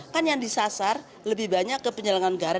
kan yang disasar lebih banyak ke penyelenggara negara